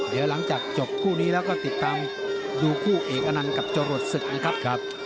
เดี๋ยวหลังจากจบคู่นี้แล้วก็ติดตามดูคู่เอกอนันต์กับจรวดศึกนะครับ